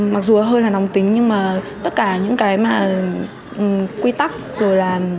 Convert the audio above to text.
mặc dù hơi là nòng tính nhưng mà tất cả những cái mà quy tắc rồi là